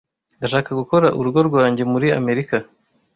Ndashaka gukora urugo rwanjye muri Amerika.